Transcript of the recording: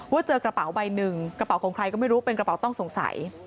เจอกระเป๋าใบหนึ่งกระเป๋าของใครก็ไม่รู้เป็นกระเป๋าต้องสงสัย